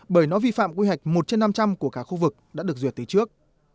bởi nó vi phạm quy hoạch một trên năm trăm linh của cả khu vực đã được duyệt từ trước